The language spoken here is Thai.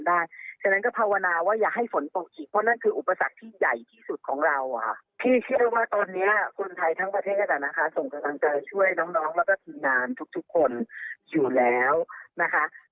ทั้งประเทศก็จะนะคะส่งกำลังใจช่วยน้องแล้วก็ทีมนานทุกคนอยู่แล้วนะคะ